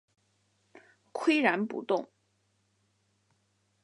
岿然不动